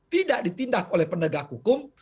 tidak ditindak oleh penegak hukum